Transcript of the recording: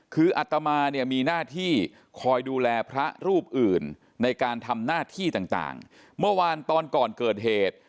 คืออัตมาเนี่ยมีหน้าที่คอยดูแลพระรูปอื่นในการทำหน้าที่ต่างเมื่อวานตอนก่อนเกิดเหตุ